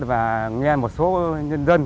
và nghe một số nhân dân